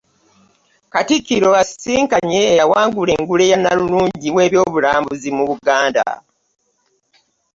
Katikkiro asisinkanye eyawangula engule ya Nnalulungi w'ebyobulambuzi mu Buganda